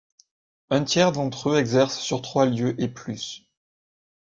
Un tiers d'entre eux exercent sur trois lieux et plus.